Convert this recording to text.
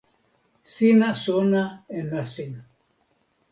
sina sona e nasin.